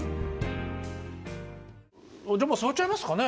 じゃあもう座っちゃいますかね。